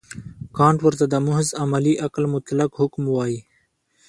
کانټ ورته د محض عملي عقل مطلق حکم وايي.